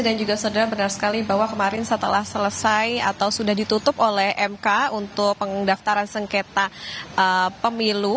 dan juga saudara benar sekali bahwa kemarin setelah selesai atau sudah ditutup oleh mk untuk pengdaftaran sengketa pemilu